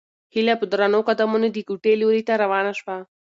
هیله په درنو قدمونو د کوټې لوري ته روانه شوه.